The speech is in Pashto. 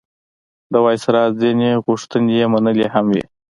د وایسرا ځینې غوښتنې یې منلي هم وې.